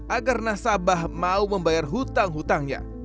agar nasabah mau membayar hutang hutangnya